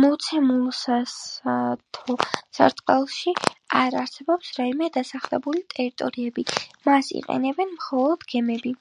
მოცემულ სასაათო სარტყელში არ არსებობს რაიმე დასახლებული ტერიტორიები, მას იყენებენ მხოლოდ გემები.